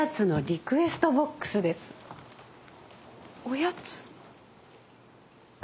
おやつ？